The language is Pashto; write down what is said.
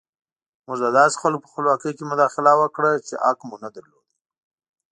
موږ د داسې خلکو په خپلواکۍ کې مداخله وکړه چې حق مو نه درلود.